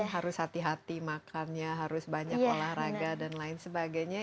harus hati hati makannya harus banyak olahraga dan lain sebagainya